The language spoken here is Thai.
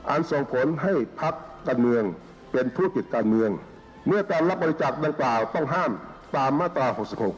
ส่งผลให้พักการเมืองเป็นธุรกิจการเมืองเมื่อการรับบริจาคดังกล่าวต้องห้ามตามมาตรา๖๖